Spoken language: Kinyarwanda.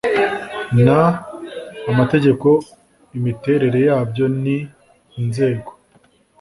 n amategeko imiterere yabyo n inzego